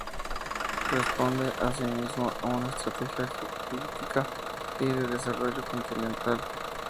Responde, asimismo, a una estrategia geopolítica y de desarrollo continental.